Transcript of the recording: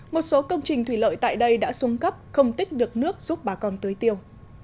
một số công trình thủy lợi tại đây đã xuống cấp không tích được nước giúp bà con tưới tiêu